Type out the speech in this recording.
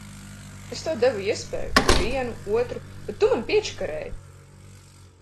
Es tev devu iespēju, vienu, otru, bet tu mani piečakarēji!